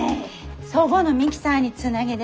そごのミキサーにつなげで。